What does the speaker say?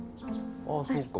ああそうか。